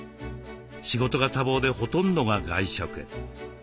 仕事が多忙でほとんどが外食。